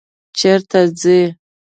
چیرته ځئ؟